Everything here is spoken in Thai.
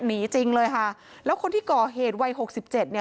หนีจริงเลยค่ะแล้วคนที่ก่อเหตุวัยหกสิบเจ็ดเนี่ย